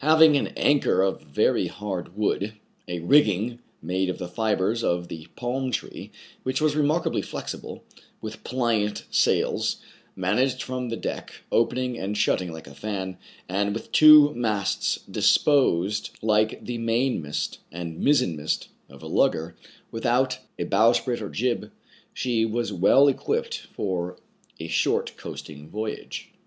Having an anchor of very hard wood ; a rigging made of the fibres of the palm tree, which was remarkably flexible ; with pliant sails managed from the deck, opening and shutting like a fan ; and with two masts disposed like the main mast and mizzen mast of a lugger, without a bowsprit or jib, — she was well equipped for a short coasting voyage.